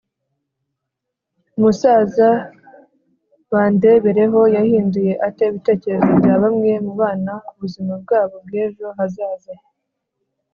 umusaza bandebereho yahinduye ate ibitekerezo bya bamwe mu bana ku buzima bwabo bw’ejo hazaza?